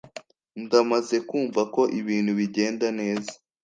ndamaze kumva ko ibintu bigenda neza